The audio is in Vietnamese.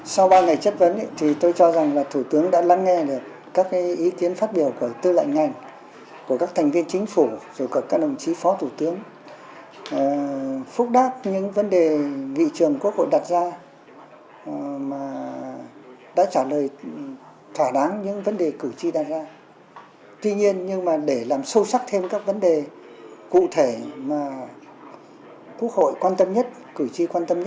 sau ba ngày chất vấn thì tôi cho rằng là thủ tướng đã lắng nghe được các ý kiến phát biểu của tư lệnh ngành của các thành viên chính phủ rồi cả các đồng chí phó thủ tướng